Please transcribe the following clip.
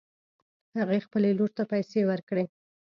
هغې خپلې لور ته پیسې ورکړې